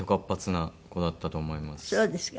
そうですか。